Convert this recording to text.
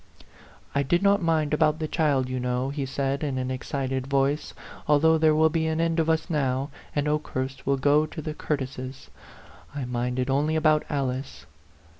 "I did not mind about the child, you know," he said, in an excited voice ;" al though there will be an end of us now, and Okehurst will go to the Curtises. I minded only about Alice."